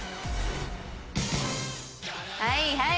はいはい！